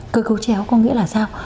cơ cấu chéo có nghĩa là sao